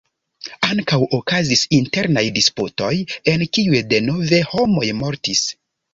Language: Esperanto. Ankaŭ okazis internaj disputoj, en kiuj denove homoj mortis.